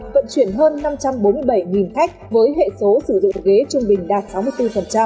vận chuyển hơn năm trăm bốn mươi bảy khách với hệ số sử dụng ghế trung bình đạt sáu mươi bốn